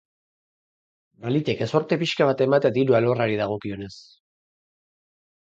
Baliteke zorte pixka bat ematea diru alorrari dagokionez.